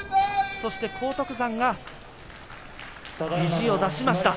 そして荒篤山が意地を出しました。